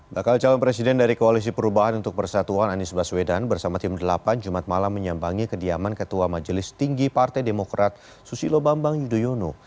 bakal calon presiden dari koalisi perubahan untuk persatuan anies baswedan bersama tim delapan jumat malam menyambangi kediaman ketua majelis tinggi partai demokrat susilo bambang yudhoyono